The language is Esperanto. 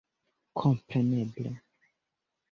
Kompreneble...